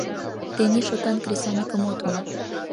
«Тений шотан кресаньыкым от му.